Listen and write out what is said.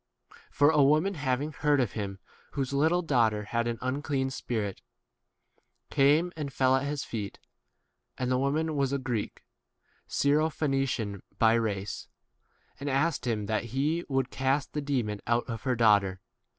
For a woman having heard of him, whose little daugh ter had an unclean spirit, came 26 and fell at his feet (and the wo man was a Greek, Syrophenician by race), and asked him that he would cast the demon out of her 2 ? daughter.